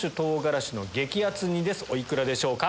お幾らでしょうか？